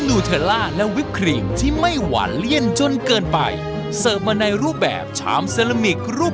หนุเคป้วยหอมนะคะลงเงินไว้๒๐๐๐บาทนะคะ